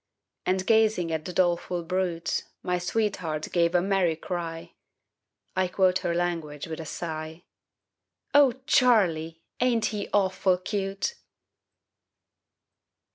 And gazing at the doleful brute My sweetheart gave a merry cry I quote her language with a sigh "O Charlie, ain't he awful cute?"